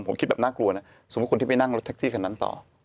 ผมคิดแบบน่ากลัวนะสมมุติคนที่ไปนั่งรถแท็กซี่คันนั้นต่อ